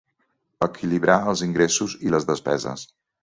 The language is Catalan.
Equilibrar els ingressos i les despeses.